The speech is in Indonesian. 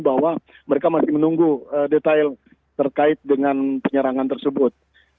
bahwa mereka masih menunggu detail terkait dengan penyerangan tersebut